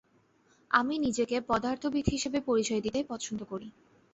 আমি নিজেকে পদার্থবিদ হিসেবে পরিচয় দিতেই পছন্দ করে।